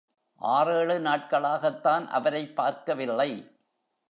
ஆறேழு நாட்களாகத்தான் அவரைப் பார்க்கவில்லை.